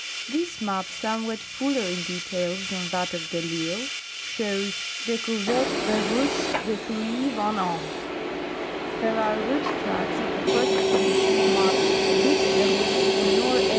This map, somewhat fuller in details than that of de I'lsle, shows :" Decouvertes des Russes depuis 20 ans." There are route tracks of the first expedition marked :" Route des Russes au N.